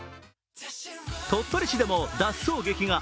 鳥取市でも脱走劇が。